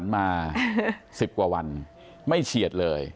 มา๑๐กว่าวันไม่เฉียดเลย